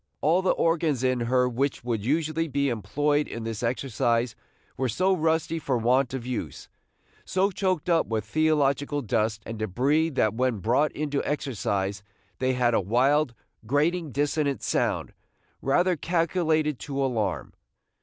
All the organs in her which would usually be employed in this exercise were so rusty for want of use, so choked up with theological dust and débris that when brought into exercise they had a wild, grating dissonant sound, rather calculated to alarm.